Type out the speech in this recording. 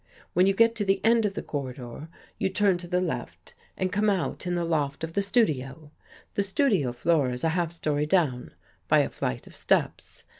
When you get to the end of the corridor, you turn to the left and come out in the loft of the studio. The studio floor is a half story down, by a flight of steps.